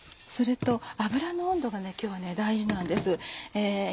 それと油の温度が今日は大事なんです。